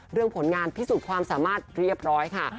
ผลงานพิสูจน์ความสามารถเรียบร้อยค่ะ